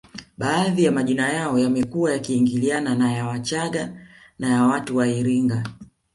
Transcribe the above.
Baadhi ya majina yao yamekuwa yakiingiliana na ya wachaga na watu wa iringa